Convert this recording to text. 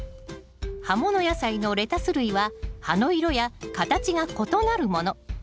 葉物野菜のレタス類は葉の色や形が異なるもの。